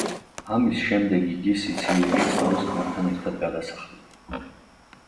ამის შემდეგ იგი სიცილიაში თავის ქმართან ერთად გადასახლდა.